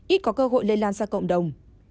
ít có cơ hội lây lan sang cộng đồng